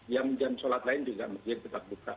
jam jam sholat lain juga masjid tetap buka